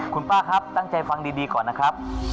คุณป้าครับตั้งใจฟังดีก่อนนะครับ